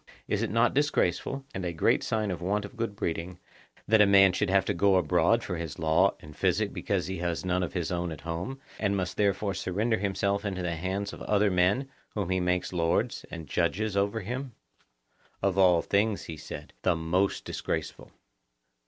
Is it not disgraceful, and a great sign of want of good breeding, that a man should have to go abroad for his law and physic because he has none of his own at home, and must therefore surrender himself into the hands of other men whom he makes lords and judges over him? Of all things, he said, the most disgraceful.